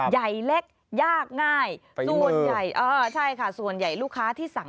ใหญ่เล็กยากง่ายผิงมืออ้าใช่ค่ะส่วนใหญ่ลูกค้าที่สั่ง